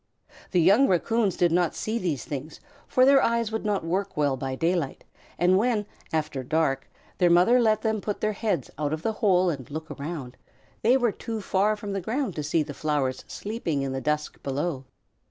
The young Raccoons did not see these things, for their eyes would not work well by daylight, and when, after dark, their mother let them put their heads out of the hole and look around, they were too far from the ground to see the flowers sleeping in the dusk below.